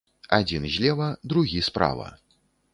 Адзін злева, другі справа.